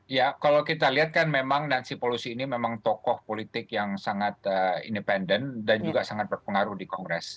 ya kalau kita lihat kan memang nansi polusi ini memang tokoh politik yang sangat independen dan juga sangat berpengaruh di kongres